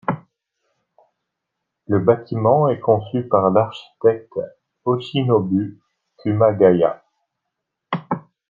Le bâtiment est conçu par l'architecte Yoshinobu Kumagaya.